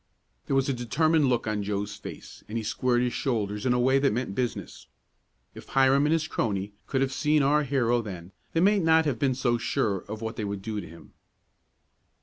There was a determined look on Joe's face, and he squared his shoulders in a way that meant business. If Hiram and his crony could have seen our hero then they might not have been so sure of what they would do to him.